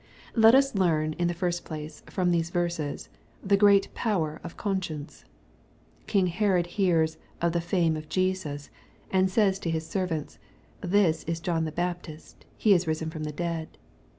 Let us learn, in the first place, from these verses, the great power of conscience. King Herod hears of " the fame of Jesus," and says to his servants, " This is John the Baptist : he is risen fix)m the dead."